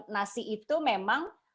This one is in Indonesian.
nasi itu memang